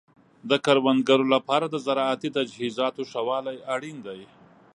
د کروندګرو لپاره د زراعتي تجهیزاتو ښه والی اړین دی.